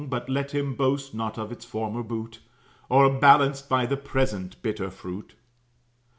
But let him boast not of its former boot, O'erbalanced by the present bitter fruit.